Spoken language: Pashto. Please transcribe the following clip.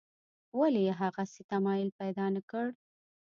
ولې یې هغسې تمایل پیدا نکړ.